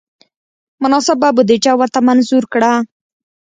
مناسبه بودجه ورته منظور کړه.